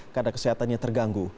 karena kesehatannya terganggu